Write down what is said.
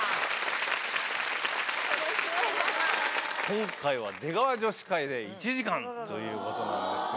今回は「出川女子会」で１時間ということなんですけども。